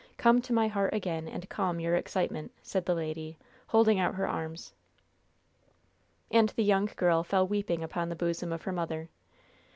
Come to my heart again, and calm your excitement," said the lady, holding out her arms. And the young girl fell weeping upon the bosom of her mother.